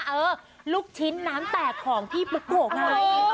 เออลูกชิ้นน้ำแตกของพี่ป๋อป๋อค่ะ